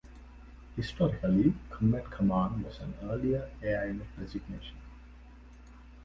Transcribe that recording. Historically, combat command was an earlier air unit designation.